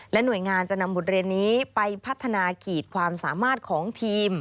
หน่วยงานจะนำบทเรียนนี้ไปพัฒนาขีดความสามารถของทีม